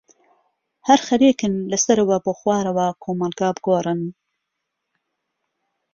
هەر خەرێکن لەسەرەوە بۆ خوارە کۆمەلگا بگۆرن.